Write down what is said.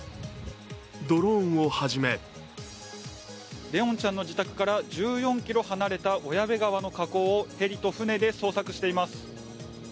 ドローンをはじめ怜音ちゃんの自宅から１４ｋｍ離れた小矢部川の河口をヘリと船で捜索しています。